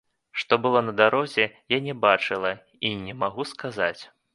Што было на дарозе, я не бачыла і не магу сказаць.